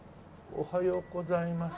おはようございます。